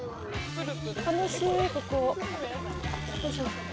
楽しい、ここ。